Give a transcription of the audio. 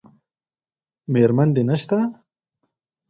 میرمن دې نشته؟